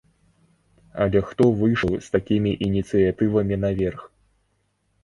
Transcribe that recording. Але хто выйшаў з такімі ініцыятывамі наверх?